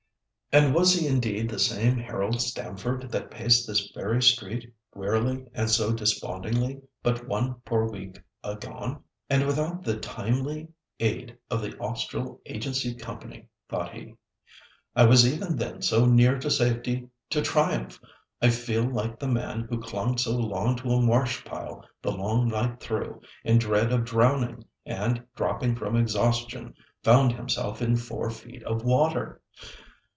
And was he indeed the same Harold Stamford that paced this very street wearily and so despondingly but one poor week agone? "And without the timely aid of the Austral Agency Company," thought he, "I was even then so near to safety, to triumph! I feel like the man who clung so long to a marsh pile the long night through, in dread of drowning, and, dropping from exhaustion, found himself in four feet of water.